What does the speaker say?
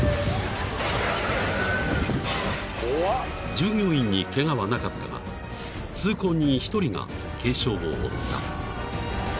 ［従業員にケガはなかったが通行人１人が軽傷を負った］